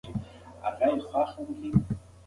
ارامه فضا د ماشوم ذهن اراموي.